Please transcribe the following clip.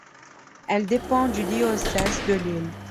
Elle dépend du diocèse de Lille.